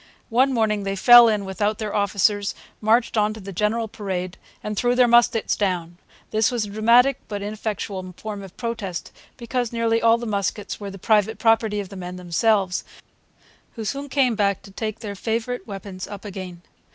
One morning they fell in without their officers, marched on to the general parade, and threw their muskets down. This was a dramatic but ineffectual form of protest, because nearly all the muskets were the private property of the men themselves, who soon came back to take their favourite weapons up again.